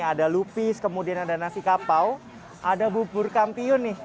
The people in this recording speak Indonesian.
ada lupis kemudian ada nasi kapau ada bubur kampiun nih